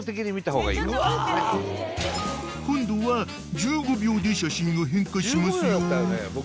［今度は１５秒で写真が変化しますよ］